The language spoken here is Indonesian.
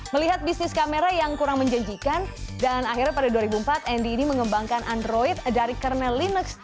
melihat bisnis kamera yang kurang menjanjikan dan akhirnya pada dua ribu empat andy ini mengembangkan android dari kernel linux